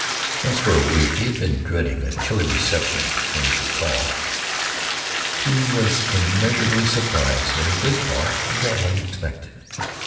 Since for a week he had been dreading a chilly reception when he should call, he was immeasurably surprised when he did call and got what he expected.